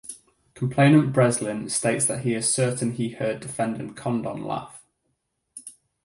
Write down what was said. Complainant Breslin states that he is certain he heard Defendant Condon laugh.